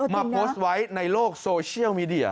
โพสต์ไว้ในโลกโซเชียลมีเดีย